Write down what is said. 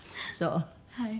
そう。